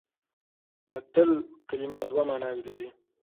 د تل کلمه دوه ماناوې لري.